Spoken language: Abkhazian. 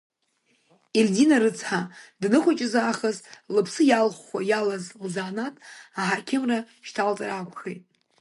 Ельдина рыцҳа, данхәыҷыз аахыс лыԥсы иалыхәхәа иалаз лзаанаҭ аҳақьымра шьҭалҵар акәхеит.